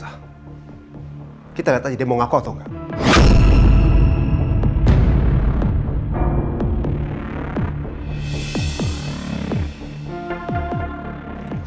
ayo kita lihat aja dia mau ngakuat atau enggak